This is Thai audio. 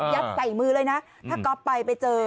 ยัดใส่มือเลยนะถ้าก็ไปไปเจอ